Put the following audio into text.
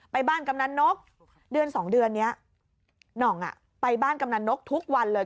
ไปบ้านกำนันนกเดือนสองเดือนนี้หน่องไปบ้านกำนันนกทุกวันเลย